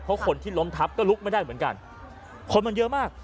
เพราะคนที่ล้มทับก็ลุกไม่ได้เหมือนกันคนมันเยอะมาก